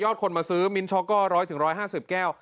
ยอดคนมาซื้อมิ้นมิ้นช็อตก็๑๐๐๑๕๐แก้ว